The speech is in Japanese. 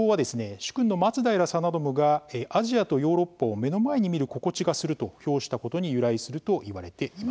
主君の松平定信がアジアとヨーロッパを目の前に見る心地がすると評したことに由来するといわれています。